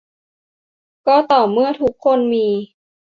ก็ต่อเมื่อทุกคนมี